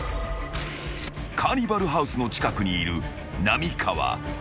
［カーニバルハウスの近くにいる浪川］